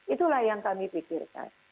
itulah yang kami pikirkan